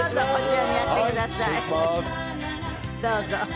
どうぞ。